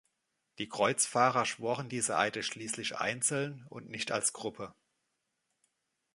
Die Kreuzfahrer schworen diese Eide schließlich einzeln und nicht als Gruppe.